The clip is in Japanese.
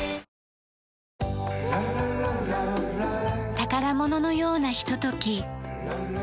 宝物のようなひととき。